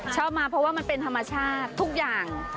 ชอบมาเพราะว่ามันเป็นธรรมชาติทุกอย่าง